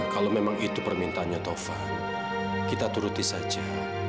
kalau memang itu permintaannya tovan kita turuti saja